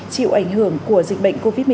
chịu ảnh hưởng của dịch bệnh covid một mươi chín